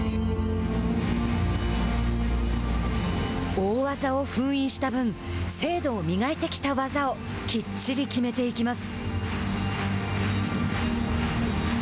大技を封印した分精度を磨いてきた技をきっちり決めていきます。